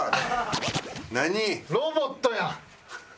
『ロボット』や！